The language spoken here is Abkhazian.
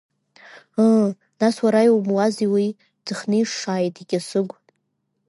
Ыы, нас уара иумуазеи уи, дынхеишшааит икьасыгә.